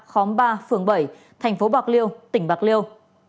khóm ba phường bảy thành phố bạc liêu tỉnh bạc liêu